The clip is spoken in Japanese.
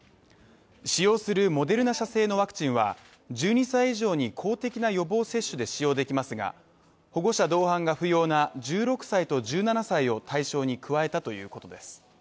使用するモデルナ社製のワクチンは１２歳以上に公的な予防接種で使用できますが、保護者同伴が不要な１６歳と１７歳を対象に加えたということです。